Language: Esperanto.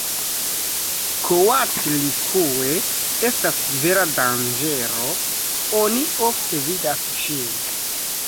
Koatlikue estas vera danĝero, oni ofte vidas ŝin.